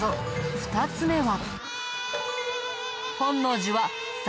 ２つ目は。